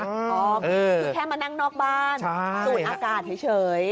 คือแค่มานั่งนอกบ้านสูดอากาศเฉย